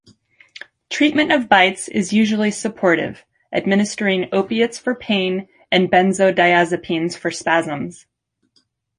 Treatment of bites is usually supportive, administering opiates for pain and benzodiazepines for spasms.